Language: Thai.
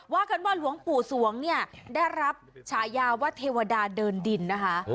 ว่ากันว่าหลวงปู่สวงเนี่ยได้รับฉายาว่าเทวดาเดินดินนะคะ